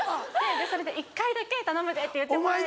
それで１回だけ「頼むで」って言ってもらえて。